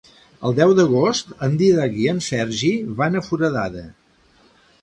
El deu d'agost en Dídac i en Sergi van a Foradada.